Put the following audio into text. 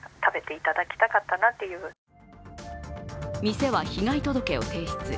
店は被害届を提出。